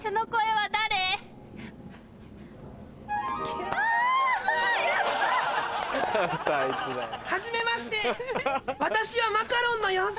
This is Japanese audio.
はじめまして私はマカロンの妖精。